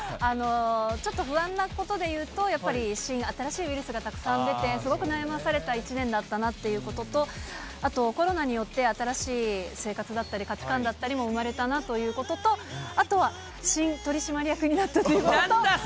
ちょっと不安なことでいうと、やっぱり新、新しいウイルスがたくさん出て、すごく悩まされた一年だったなっていうことと、あと、コロナによって新しい生活だったり、価値観だったりも生まれたなということと、あとは新取締役になったということと。